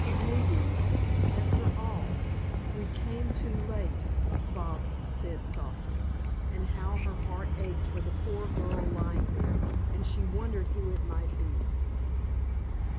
"Maybe after all we came too late," Bobs said softly, and how her heart ached for the poor girl lying there, and she wondered who it might be.